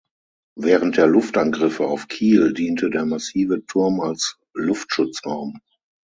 Während der Luftangriffe auf Kiel diente der massive Turm als Luftschutzraum.